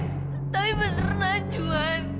tapi beneran juhan itu kenyataannya ibu gua tuh bukan pembunuh